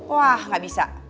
wah gak bisa